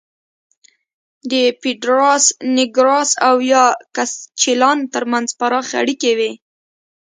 د پېډراس نېګراس او یاکسچیلان ترمنځ پراخې اړیکې وې